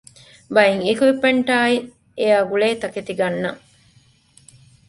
ބައެއް އިކްއިޕްމަންޓާއި އެއާގުޅޭ ތަކެތި ގަންނަން